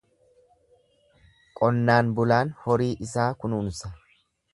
Qonnaan bulaan horii isaa kunuunsa.